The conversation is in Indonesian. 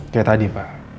kayak tadi pak